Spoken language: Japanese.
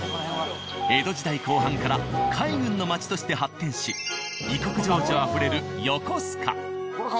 江戸時代後半から海軍の街として発展し異国情緒あふれる横須賀。